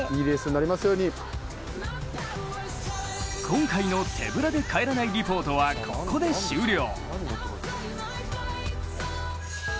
今回の手ぶらで帰らないリポートはここで終了。